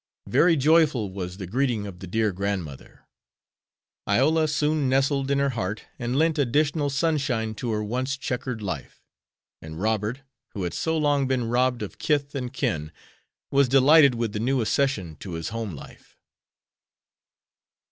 Very joyful was the greeting of the dear grandmother. Iola soon nestled in her heart and lent additional sunshine to her once checkered life, and Robert, who had so long been robbed of kith and kin, was delighted with the new accession to his home life.